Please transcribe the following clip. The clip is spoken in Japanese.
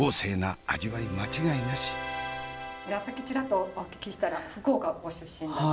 いやさっきちらっとお聞きしたら福岡ご出身だって。